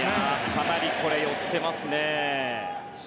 かなりこれ寄ってますね。